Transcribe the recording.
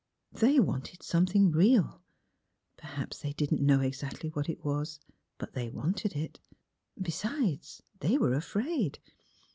'' They wanted some thing real — perhaps they didn't know exactly what it was; but they wanted it. Besides they were afraid."